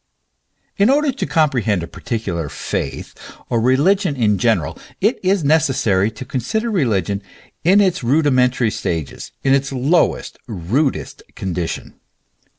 In order to comprehend a particular faith, or religion in general, it is necessary to consider religion in its rudimentary stages, in its lowest, rudest condition.